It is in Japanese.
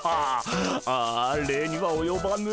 ああ礼にはおよばぬ。